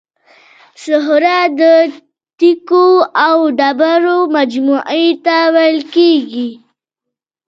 صخره د تیکو او ډبرو مجموعې ته ویل کیږي.